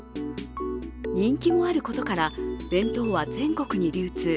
人気もあることから弁当は全国に流通。